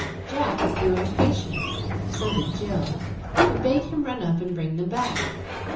Jack grew impatient, so did Jill, and bade him run up and bring them back.